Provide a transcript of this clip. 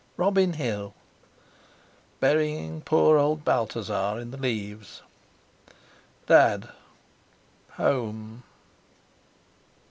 Robin Hill! Burying poor old Balthasar in the leaves! Dad! Home....